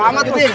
mau amat tuh